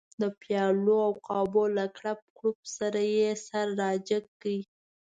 د پیالو او قابونو له کړپ کړوپ سره یې سر را جګ کړ.